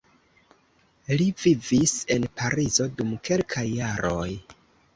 Li vivis en Parizo dum kelkaj jaroj.